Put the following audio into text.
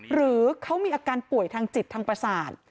หรือเขามีอาการป่วยทางจิตทางประสาท